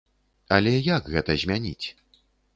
Але як гэта змяніць?